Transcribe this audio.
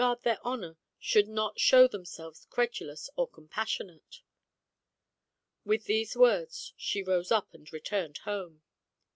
SECOND <DAY; TALE XVL 187 their honour should not show themselves credu lous or compassionate." With these words she rose up and returned home.